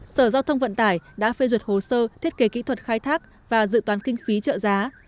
sở giao thông vận tải đã phê duyệt hồ sơ thiết kế kỹ thuật khai thác và dự toán kinh phí trợ giá